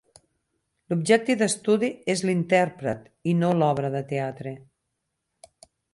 L'objecte d'estudi és l'intèrpret i no l'obra de teatre.